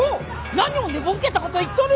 何を寝ぼけたこと言っとる！